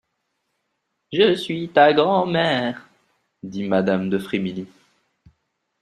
Je suis ta grand'mère, dit madame de Frémilly.